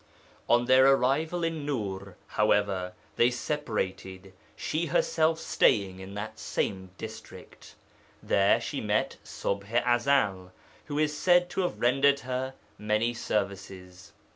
On their arrival in Nūr, however, they separated, she herself staying in that district. There she met Ṣubḥ i Ezel, who is said to have rendered her many services.